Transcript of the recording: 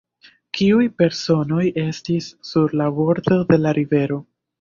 Kiuj personoj estis sur la bordo de la rivero?